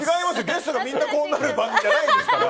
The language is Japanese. ゲストのみんなこうなる番組じゃないですから。